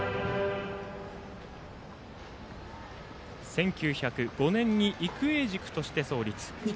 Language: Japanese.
１９０５年に育英塾として創立。